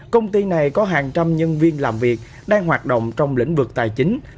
công ty này có hàng trăm nhân viên làm việc đang hoạt động trong lĩnh vực tài chính